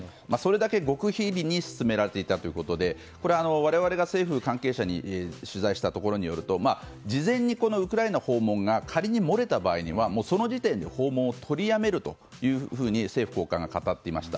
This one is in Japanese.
それだけ極秘裏に進められていたということで我々が政府関係者に取材したところ事前にウクライナ訪問が仮に漏れた場合にはその時点で訪問を取りやめるというふうに政府高官が語っていました。